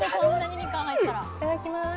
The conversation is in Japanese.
いただきます。